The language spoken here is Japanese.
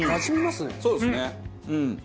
そうですねうん。